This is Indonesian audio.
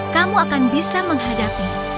kamu akan bisa menghadapi